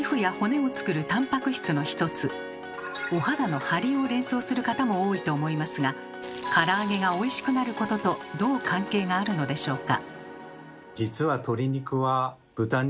お肌のハリを連想する方も多いと思いますがから揚げがおいしくなることとどう関係があるのでしょうか？